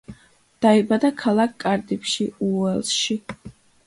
დაიბადა ქალაქ კარდიფში, უელსში.